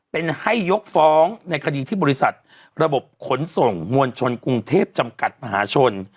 เป็นให้ยกฟ้องในคดีที่บริษัทระบบขนส่งมวลชนกรุงเทพจำกัดมหาชน